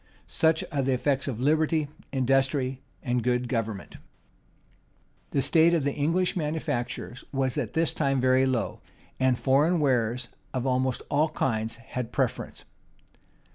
Such are the effects of liberty, industry, and good government! The state of the English manufactures was at this time very low; and foreign wares of almost all kinds had the preference.